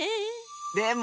でも。